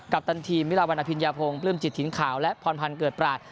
ปตันทีมวิลาวันอภิญญาพงศ์ปลื้มจิตถิ่นขาวและพรพันธ์เกิดปราศ